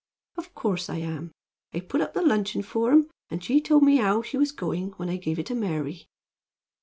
"Of course I am. I put up the luncheon for 'em; and she told me how she was going when I gave it to Mary."